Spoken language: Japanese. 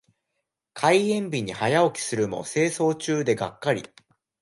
開園日に早起きするも清掃中でがっかり。